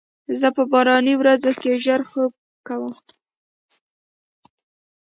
زه په باراني ورځو کې ژر خوب کوم.